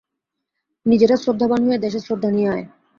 নিজেরা শ্রদ্ধাবান হয়ে দেশে শ্রদ্ধা নিয়ে আয়।